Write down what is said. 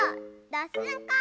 どっすんこ！